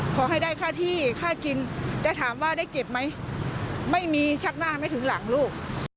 ขอให้ได้ค่าที่ค่ากินจะถามว่าได้เก็บไหมไม่มีชักหน้าไม่ถึงหลังลูก